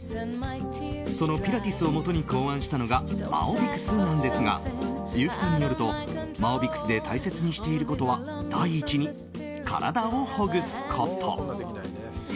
そのピラティスをもとに考案したのがマオビクスなんですが優木さんによるとマオビクスで大切にしていることは第一に体をほぐすこと。